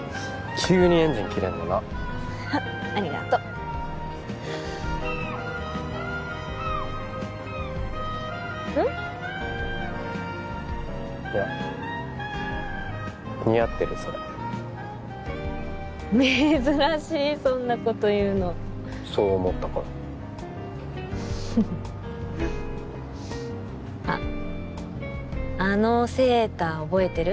急にエンジン切れんのなありがとううん？いや似合ってるそれ珍しいそんなこと言うのそう思ったからフフッあっあのセーター覚えてる？